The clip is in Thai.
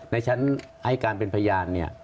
ในชั้นให้การเป็นพยาน